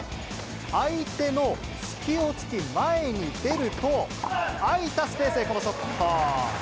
相手の隙をつき、前に出ると、空いたスペースへこのショット。